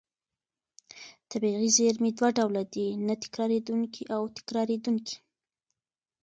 طبیعي زېرمې دوه ډوله دي: نه تکرارېدونکې او تکرارېدونکې.